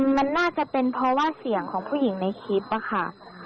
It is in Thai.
มันน่าจะเป็นเพราะว่าเสียงของผู้หญิงในคลิปอะค่ะ